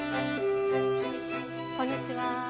こんにちは。